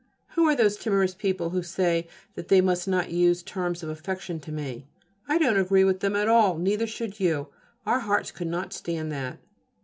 Who are those timorous people who say that they must not use terms of affection to me? I don't agree with them at all, neither should you. Our hearts could not stand that.